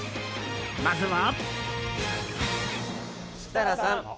まずは。